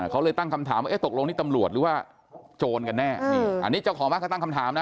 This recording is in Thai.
เขาเลยตั้งคำถามว่าเอ๊ะตกลงนี่ตำรวจหรือว่าโจรกันแน่นี่อันนี้เจ้าของบ้านเขาตั้งคำถามนะ